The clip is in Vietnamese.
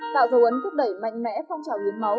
tạo dấu ấn thúc đẩy mạnh mẽ phong trào hiến máu